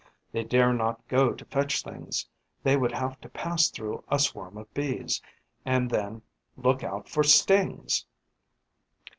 They dare not go to fetch things: they would have to pass through a swarm of Bees; and then...look out for stings!